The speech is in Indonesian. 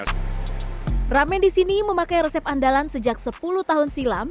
ramen di sini memakai resep andalan sejak sepuluh tahun silam